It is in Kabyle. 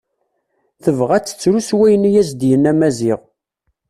Tebɣa ad tettru s wayen i as-d-yenna Maziɣ.